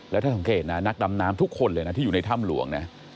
แล้วถ้าสังเกตนะนักดำน้ำทุกคนเลยนะที่อยู่ในถ้ำหลวงนะ